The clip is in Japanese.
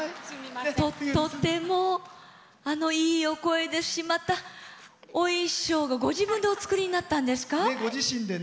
とてもいいお声ですしまたお衣装が自分でお作りになったんですか？